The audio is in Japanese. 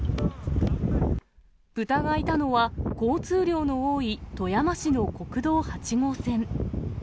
豚がいたのは、交通量の多い富山市の国道８号線。